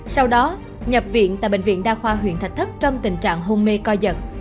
sau đó nhập viện tại bệnh viện đa khoa huyện thạch thất trong tình trạng hôn mê co giật